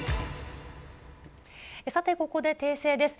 さて、ここで訂正です。